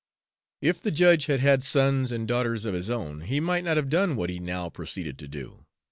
If the judge had had sons and daughters of his own, he might not have done what he now proceeded to do.